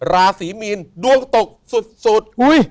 ราศีมีนดวงตกสุด